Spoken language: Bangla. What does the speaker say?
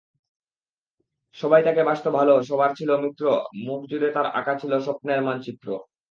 সবাই তাকে বাসত ভালো সবার ছিল মিত্র, মুখ জুড়ে তার আঁঁকা ছিল স্বপ্নের মানচিত্র।